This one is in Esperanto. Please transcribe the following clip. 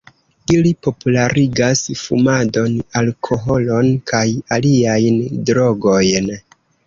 Ili popularigas fumadon, alkoholon kaj aliajn drogojn.